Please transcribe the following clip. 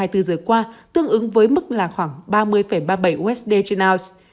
từ giờ qua tương ứng với mức là khoảng ba mươi ba mươi bảy usd trên ows